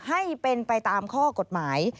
ให้เป็นไปตามข้อกฎหมาย